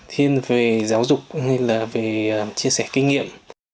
thiên về giáo dục hay là về chia sẻ kinh nghiệm